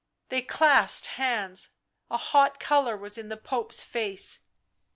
They clasped hands, a hot colour was in the Pope's face.